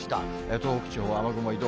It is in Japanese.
東北地方、雨雲移動。